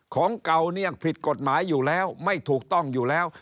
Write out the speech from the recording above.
ของเก่าเนี่ยผิดกฎหมายอยู่แล้วไม่ถูกต้องอยู่แล้ว